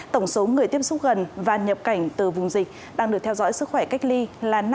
tổng số người tiếp xúc gần và nhập cảnh từ vùng dịch đang được theo dõi sức khỏe cách ly là năm mươi bốn chín trăm sáu mươi sáu